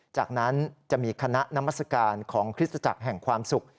จากนั้นจะมีคณะนามัศกาลของคริสตจักรแห่งความสุข